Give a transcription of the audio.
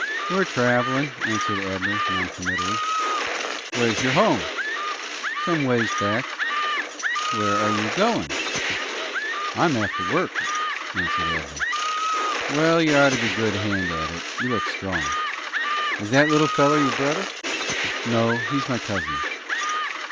"We're travelin'," answered Abner, noncommittally. "Where's your home?" "Some ways back." "Where are you goin'?" "I'm after work," answered Abner. "Well, you'd orter be a good hand at it. You look strong. Is that little feller your brother?" "No; he's my cousin."